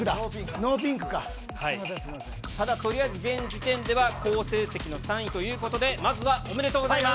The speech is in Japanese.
ノーピンクか、すみません、ただ、現時点では、好成績の３位ということで、まずはおめでとうございます。